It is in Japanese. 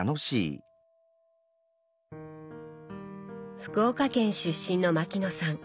福岡県出身の牧野さん。